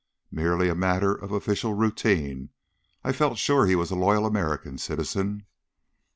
"Merely a matter of official routine. I felt sure he was a loyal American citizen."